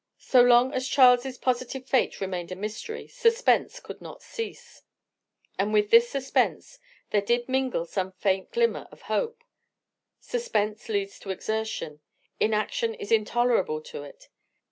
So long as Charles's positive fate remained a mystery, suspense could not cease; and with this suspense there did mingle some faint glimmer of hope. Suspense leads to exertion; inaction is intolerable to it.